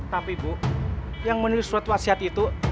tapi bu yang menulis suatu asiat itu